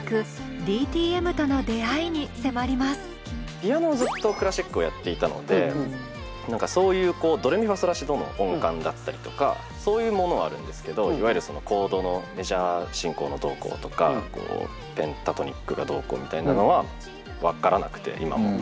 ピアノをずっとクラシックをやっていたので何かそういうドレミファソラシドの音感だったりとかそういうものはあるんですけどいわゆるコードのメジャー進行のどうこうとかペンタトニックがどうこうみたいなのは分からなくて今も。